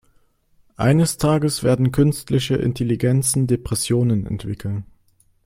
Eines Tages werden künstliche Intelligenzen Depressionen entwickeln.